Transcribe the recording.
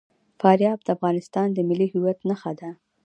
فاریاب د افغانستان د ملي هویت نښه ده.